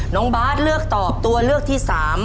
น้องบาทเลือกตอบตัวเลือกที่๓